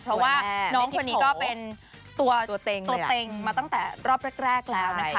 เพราะว่าน้องคนนี้ก็เป็นตัวเต็งมาตั้งแต่รอบแรกแล้วนะคะ